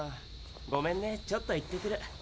ごめんねちょっと行ってくる。